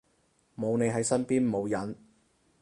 冇你喺身邊冇癮